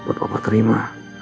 buat bapak terima